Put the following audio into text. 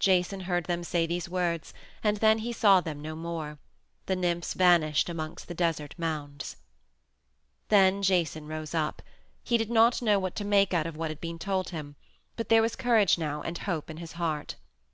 Jason heard them say these words and then he saw them no more; the nymphs vanished amongst the desert mounds. Then Jason rose up. He did not know what to make out of what had been told him, but there was courage now and hope in his heart.